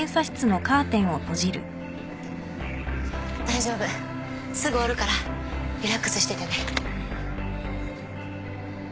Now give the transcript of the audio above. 大丈夫すぐ終わるからリラックスしててね。